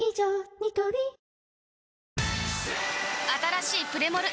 ニトリあたらしいプレモル！